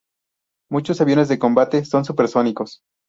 Muchos aviones de combate son supersónicos.